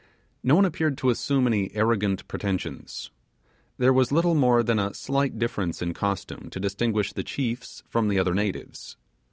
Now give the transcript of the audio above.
No one appeared to assume any arrogant pretensions. There was little more than a slight difference in costume to distinguish the chiefs from the other natives.